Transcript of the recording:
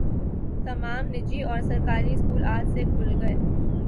تمام نجی اور سرکاری اسکول آج سے کھل گئے